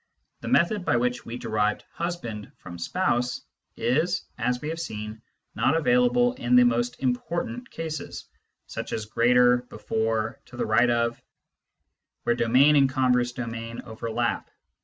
The method by which we derived husband from spouse is, as we have seen, not available in the most important cases, such as greater, before, to the right of, where domain and converse domain overlap.